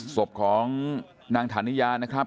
ศพของนางฐานิยานะครับ